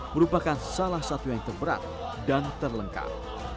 merupakan salah satu yang terberat dan terlengkap